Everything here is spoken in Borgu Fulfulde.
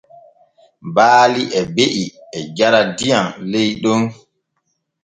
Baali e be’i e jara diyam ley ɗon.